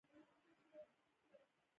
یوازې یوه پوښتنه پاتې وه چې ځواب غواړي